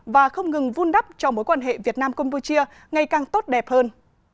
và không ngừng vun đắp cho mối quan hệ việt nam campuchia ngày càng tốt đẹp hơn